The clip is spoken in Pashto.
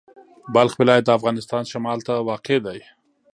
بلخ ولایت د افغانستان شمال ته واقع دی.